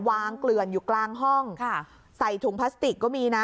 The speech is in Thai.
เกลื่อนอยู่กลางห้องค่ะใส่ถุงพลาสติกก็มีนะ